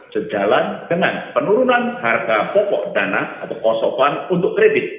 sejalan dengan penurunan harga pokok dana atau pasokan untuk kredit